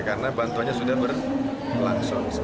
karena bantuannya sudah berlangsung